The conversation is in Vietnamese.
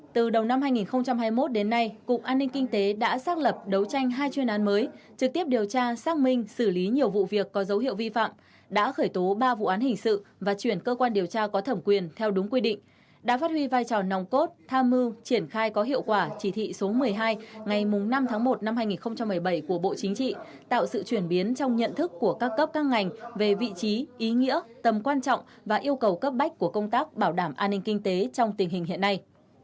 từ đầu năm hai nghìn hai mươi một đến nay cục an ninh kinh tế đã xác lập đấu tranh hai chuyên án mới trực tiếp điều tra xác minh xử lý nhiều vụ việc có dấu hiệu vi phạm đã khởi tố ba vụ án hình sự và chuyển cơ quan điều tra có thẩm quyền theo đúng quy định đã phát huy vai trò nòng cốt tham mưu triển khai có hiệu quả chỉ thị số một mươi hai ngày năm tháng một năm hai nghìn một mươi bảy của bộ chính trị tạo sự chuyển biến trong nhận thức của các cấp các ngành về vị trí ý nghĩa tầm quan trọng và yêu cầu cấp bách của công tác bảo đảm an ninh kinh tế trong tình hình hiện nay